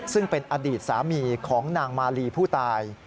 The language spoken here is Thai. ซึ่งเป็นอดีตสามีของนางมาลีผู้ตาย